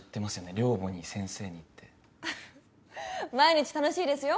寮母に先生にって毎日楽しいですよ